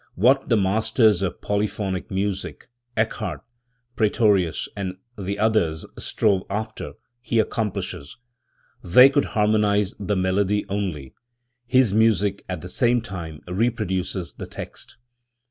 What the masters of polyphonic music, Eccard, Praetorius and the others strove after, he accomplishes. They could harmonise the melody only; his music at the same time reproduces the text.